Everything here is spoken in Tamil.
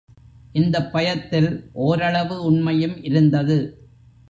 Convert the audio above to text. இந்தப் பயத்தில் ஒரளவு உண்மையும் இருந்தது.